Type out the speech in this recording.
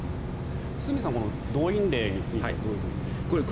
堤さん、動員令についてはどういうふうに？